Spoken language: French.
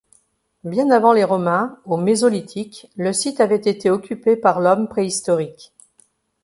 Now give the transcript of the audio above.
Bien avant les Romains, au Mésolithique, le site avait été occupé par l'homme préhistorique.